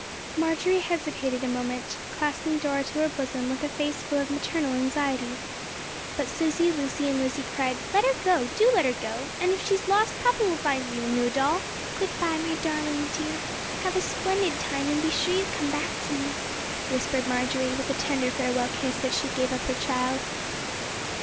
Marjory hesitated a moment, clasping Dora to her bosom with a face full of maternal anxiety. But Susy, Lucy and Lizzie cried: "Let her go, do let her go, and if she is lost papa will give you a new doll." "Good by, my darling dear. Have a splendid time, and be sure you come back to me," whispered Marjory, with a tender farewell kiss as she gave up her child.